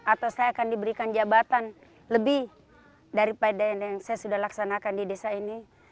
atau saya akan diberikan jabatan lebih daripada yang saya sudah laksanakan di desa ini